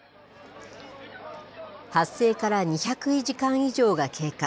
発生から２００時間以上が経過。